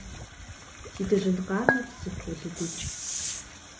Си дыжьын къамэр зыполыдыкӏ.